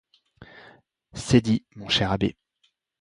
C'est dit, mon cher abbé.